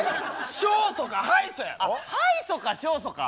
勝訴か敗訴やろ？